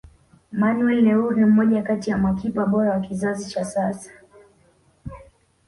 manuel neuer ni mmoja kati ya makipa bora wa kizazi cha sasa